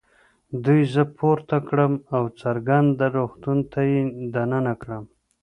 دوی زه پورته کړم او ګرځنده روغتون ته يې دننه کړم.